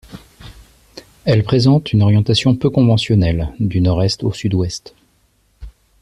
Elle présente une orientation peu conventionnelle, du nord-est au sud-ouest.